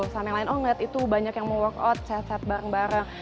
sama yang lain oh ngeliat itu banyak yang mau workout sehat sehat bareng bareng